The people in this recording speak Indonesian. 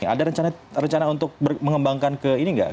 ada rencana untuk mengembangkan ke ini nggak